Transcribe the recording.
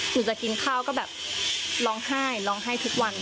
คือจะกินข้าวก็แบบร้องไห้ร้องไห้ทุกวัน